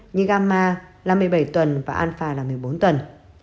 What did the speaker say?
như gamma là một mươi bảy tuần và alpha là một mươi bốn tuần